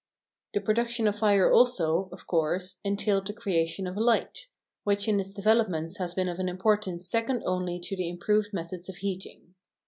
The production of fire also, of course, entailed the creation of light, which in its developments has been of an importance second only to the improved methods of heating.